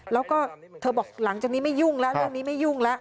แล้วก็เธอบอกหลังจากนี้ไม่ยุ่งแล้วเรื่องนี้ไม่ยุ่งแล้ว